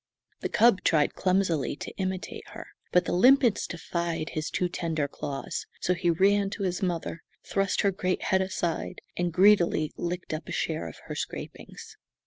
The cub tried clumsily to imitate her, but the limpets defied his too tender claws, so he ran to his mother, thrust her great head aside, and greedily licked up a share of her scrapings.